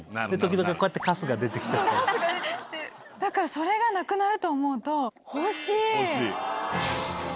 だからそれがなくなると思うと。